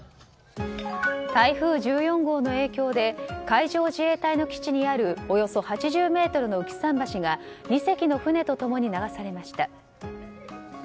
台風１４号の影響で海上自衛隊の基地にあるおよそ８０ｍの浮き桟橋が２隻の船と共に流されました。